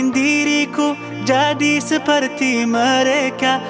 diriku jadi seperti mereka